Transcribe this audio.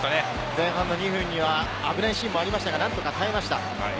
前半２分には危ないシーンもありましたが何とか耐えました。